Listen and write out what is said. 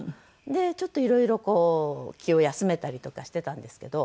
でちょっといろいろこう気を休めたりとかしてたんですけど。